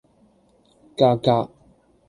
價格